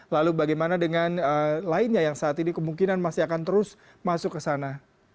lalu bagaimana dengan lainnya yang saat ini kemungkinan masih akan terus masuk ke sana